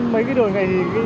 mấy cái đường này